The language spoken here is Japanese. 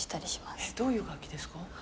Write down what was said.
どういう楽器ですか？